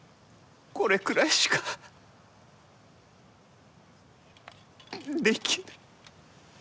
これくらいしかできぬ。